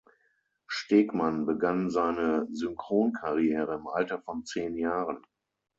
Stegmann begann seine Synchron-Karriere im Alter von zehn Jahren.